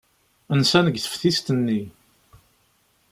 Nsan deg teftist-nni.